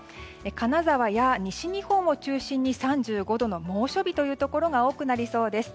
金沢や西日本を中心に３５度の猛暑日というところが多くなりそうです。